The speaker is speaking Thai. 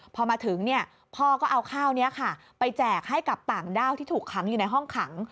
พอมาถึงพ่อก็เอาข้าวนี้ค่ะไปแจกให้กับต่างด้าวที่ถูกขังอยู่ในห้องขัง